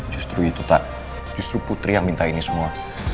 justru itu tak justru putri yang minta ini semua